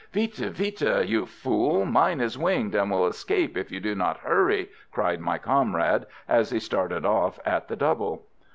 "Vite! vite! you fool, mine is winged, and will escape if you do not hurry!" cried my comrade, as he started off at the double.